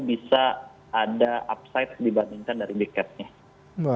bisa ada upside dibandingkan dari big cap nya